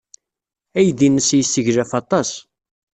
Aydi-nnes yesseglaf aṭas.